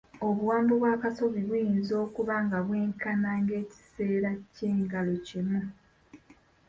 Obuwanvu bw'akasubi buyinza okuba nga bwenkana ng'ekiseera ky'engalo kimu.